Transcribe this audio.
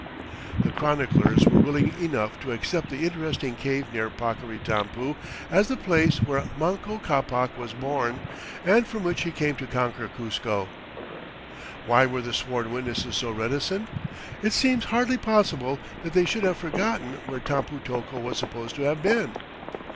The chroniclers were willing enough to accept the interesting cave near Paccaritampu as the place where Manco Ccapac was born, and from which he came to conquer Cuzco. Why were the sworn witnesses so reticent? It seems hardly possible that they should have forgotten where Tampu tocco was supposed to have been.